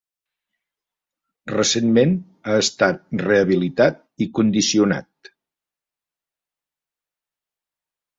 Recentment ha estat rehabilitat i condicionat.